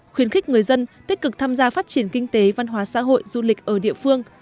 khuyến khích người dân tích cực tham gia phát triển kinh tế văn hóa xã hội du lịch ở địa phương